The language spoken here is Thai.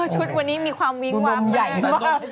ชุดวันนี้มีความวิ้งว้ามมาก